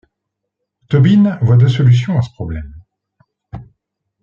Tobin voit deux solutions à ce problème.